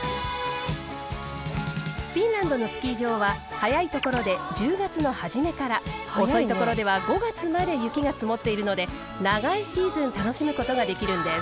フィンランドのスキー場は早いところで１０月の初めから遅いところでは５月まで雪が積もっているので長いシーズン楽しむことができるんです。